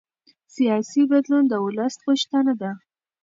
سیاسي بدلون د ولس غوښتنه ده